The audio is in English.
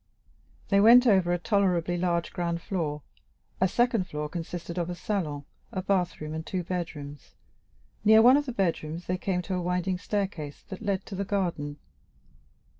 They went over a tolerably large ground floor; a first floor consisted of a salon, a bathroom, and two bedrooms; near one of the bedrooms they came to a winding staircase that led down to the garden.